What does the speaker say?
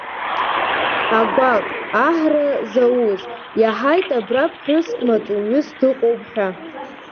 Агәаҟ, аҳра зауз, иаҳаит абра ԥҳәыск маҵуҩыс дыҟоуп ҳәа.